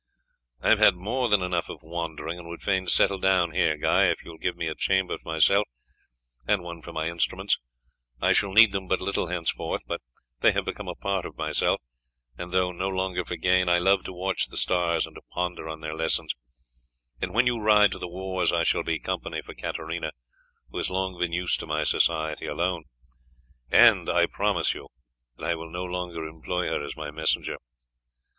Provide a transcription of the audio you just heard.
"I have had more than enough of wandering, and would fain settle down here, Guy, if you will give me a chamber for myself, and one for my instruments. I shall need them but little henceforth, but they have become a part of myself and, though no longer for gain, I love to watch the stars, and to ponder on their lessons; and when you ride to the wars I shall be company for Katarina, who has long been used to my society alone, and I promise you that I will no longer employ her as my messenger."